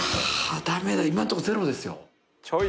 ダメだ今んとこゼロですよ